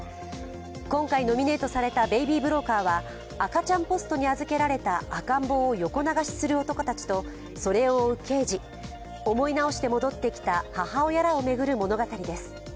今回ノミネートされた「ベイビー・ブローカー」は赤ちゃんポストに預けられた赤ん坊を横流しする男たちとそれを追う刑事、思い直して戻ってきた母親らを巡る物語です。